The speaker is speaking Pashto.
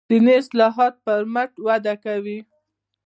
دیني اصلاحاتو پر مټ وده وکړه.